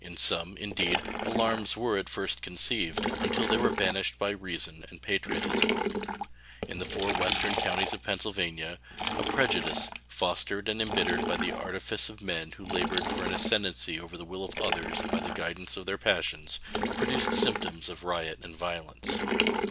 In some, indeed, alarms were at first conceived, until they were banished by reason and patriotism. In the four western counties of Pennsylvania a prejudice, fostered and imbittered by the artifice of men who labored for an ascendency over the will of others by the guidance of their passions, produced symptoms of riot and violence.